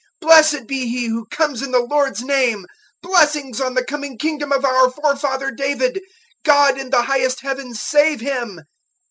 Blessed be He who comes in the Lord's name. 011:010 Blessings on the coming Kingdom of our forefather David! God in the highest Heavens save Him!"